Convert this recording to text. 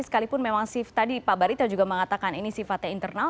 sekalipun memang tadi pak barita juga mengatakan ini sifatnya internal